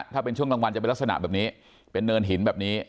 ถ้าเป็นช่วงกลางวันจะเป็นลักษณะแบบนี้เป็นเนินหินแบบนี้